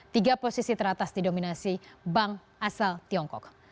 tiga posisi teratas didominasi bank asal tiongkok